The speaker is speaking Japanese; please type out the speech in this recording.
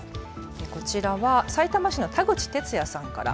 こちらはさいたま市の田口哲也さんから。